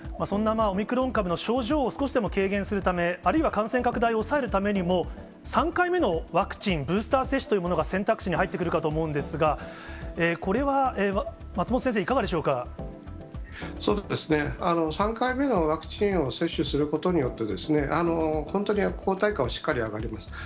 そんなオミクロン株の症状を少しでも軽減するため、あるいは感染拡大を抑えるためにも、３回目のワクチンブースター接種というのが選択肢に入ってくるかと思うんですが、これは松本そうですね、３回目のワクチンを接種することによって、本当に抗体価がしっかり上がります。